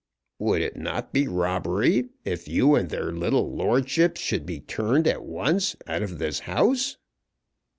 "Would it not be robbery if you and their little lordships should be turned at once out of this house?"